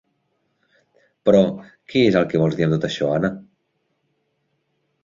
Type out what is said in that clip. Però, què es el que vols dir amb tot això, Anna?